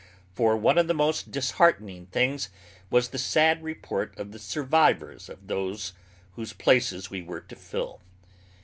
For one of the most disheartening things was the sad report of the survivors of those whose places we were to fill.